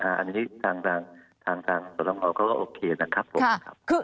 อันนี้ดังสู่ผมเหมาะก็โอเคนะครับผม